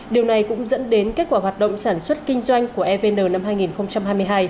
điều này cũng dẫn đến kết quả hoạt động sản xuất kinh doanh của evn năm hai nghìn hai mươi hai